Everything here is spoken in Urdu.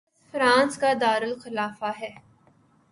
پیرس فرانس کا دارلخلافہ ہے